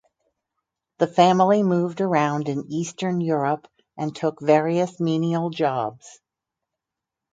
The family moved around in eastern Europe and took various menial jobs.